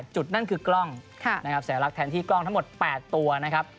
จุดนั่นคือกล้องนะครับสัญลักษณ์แทนที่กล้องทั้งหมด๘ตัวนะครับ